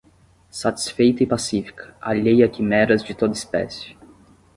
satisfeita e pacífica, alheia a quimeras de toda espécie